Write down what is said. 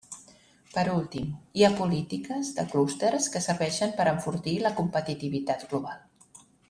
Per últim, hi ha polítiques de clústers que serveixen per a enfortir la competitivitat global.